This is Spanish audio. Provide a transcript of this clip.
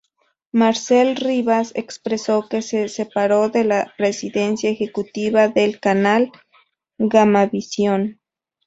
Marcel Rivas expresó que se separó de la presidencia ejecutiva del canal Gamavisión.